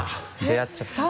出会っちゃった。